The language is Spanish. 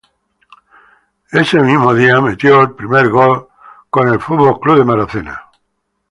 Ese mismo día, bateó su primer hit con los Yankees.